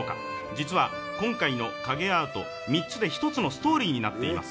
実は今回の影アート、３つで１つのストーリーになっています。